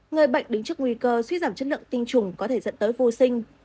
người bệnh đứng trước nguy cơ suy giảm chất lượng tinh trùng có thể dẫn tới vô sinh